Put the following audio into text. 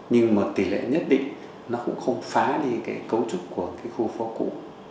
nhưng mà tỷ lệ nhất định nó cũng không phá đi cái cấu trúc của cái khu phố cũ